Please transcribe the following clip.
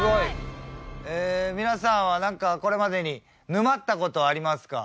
皆さんはなんかこれまでに沼った事ありますか？